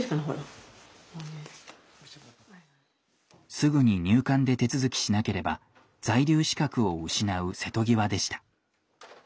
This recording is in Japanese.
すぐに入管で手続きしなければ在留資格を失う瀬戸際でした。